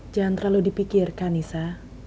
jangan terlalu dipikirkan nisa